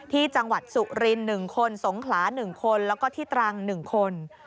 ที่จังหวัดสุริน๑คนสงขลา๑คนแล้วก็ที่ตรัง๑คน